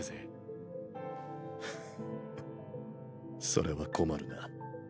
ハハそれは困るな。